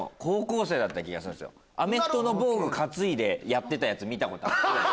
アメフトの防具担いでやってたヤツ見たことある。